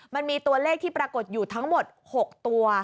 มันมีตัวเลขที่ปรากฏอยู่ทั้งหมด๖ตัว